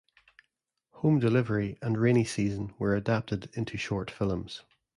"Home Delivery" and "Rainy Season" were adapted into short films.